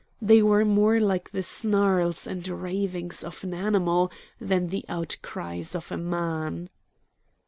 They were more like the snarls and ravings of an animal than the outcries of a man.